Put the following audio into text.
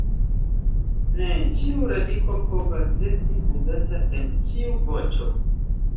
Ne ĉiu radiko povas esti uzata en ĉiu voĉo.